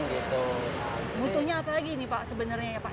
butuhnya apa lagi nih pak sebenarnya ya pak